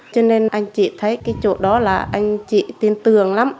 cho nên anh chị thấy cái chỗ đó là anh chị tin tưởng lắm